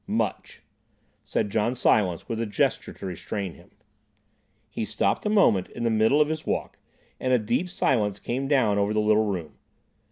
"Much," said John Silence, with a gesture to restrain him. He stopped a moment in the middle of his walk, and a deep silence came down over the little room.